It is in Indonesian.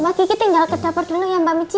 mbak kiki tinggal ke dapur dulu ya mbak miki